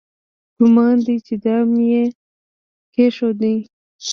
ګومان دی چې دام یې کېښود.